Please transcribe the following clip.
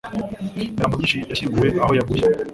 Imirambo myinshi yashyinguwe aho yaguye.